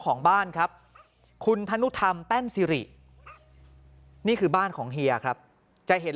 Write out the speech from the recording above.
ของบ้านครับคุณธนุธรรมแป้นซิรินี่คือบ้านของเฮียครับจะเห็น